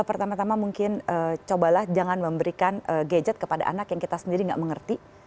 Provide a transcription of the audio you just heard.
pertama tama mungkin cobalah jangan memberikan gadget kepada anak yang kita sendiri gak mengerti